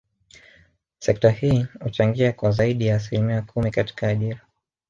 Sekta hii huchangia kwa zaidi ya asilimia kumi katika ajira